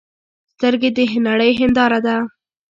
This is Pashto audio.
سترګې د نړۍ هنداره ده